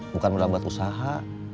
bukan mudah buat usaha